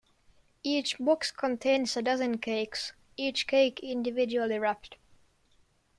Each box contains a dozen cakes, each cake individually wrapped.